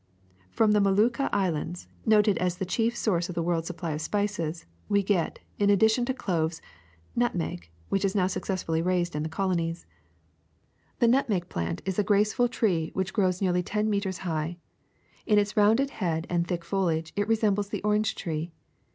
'' ''From the Molucca Islands, noted as the chief source of the world's supply of spices, we get, in ad dition to cloves, nutmeg, which is now successfully raised in our colonies. The nutmeg plant is a grace Flowering Branch of Cinnamon Tree >> SPICES 201 ful tree which grows nearly ten meters high. In its rounded head and thick foliage it resembles the orange tree.